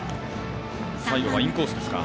最後は、インコースですか。